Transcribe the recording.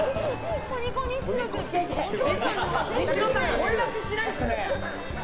声出ししないんですね。